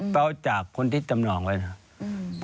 ไปเอาจากคนที่จำนองไว้นะ